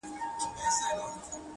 پر خوله باندي لاس نيسم و هوا ته درېږم!!